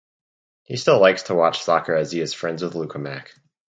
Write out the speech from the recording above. He still likes to watch soccer as he is friends with Luca Mack.